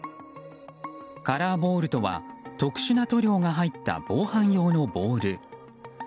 カラーボールとは特殊な塗料が入った防犯用のボール。